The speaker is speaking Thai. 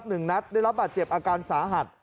หนึ่งนัดได้รับบาดเจ็บอาการสาหัส